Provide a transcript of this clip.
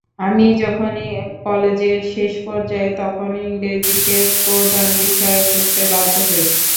আমি যখন কলেজের শেষ পর্যায়ে, তখন ইংরেজিকে প্রধান বিষয় করতে ব্যর্থ হই।